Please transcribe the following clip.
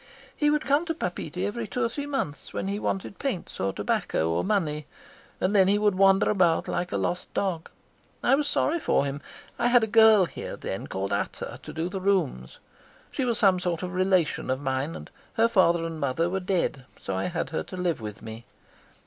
"He would come to Papeete every two or three months, when he wanted paints or tobacco or money, and then he would wander about like a lost dog. I was sorry for him. I had a girl here then called Ata to do the rooms; she was some sort of a relation of mine, and her father and mother were dead, so I had her to live with me.